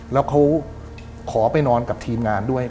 แล้วเขาขอไปนอนกับทีมงานด้วย